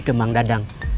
ke mang dadang